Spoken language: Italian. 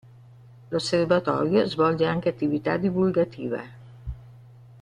L'osservatorio svolge anche attività divulgativa.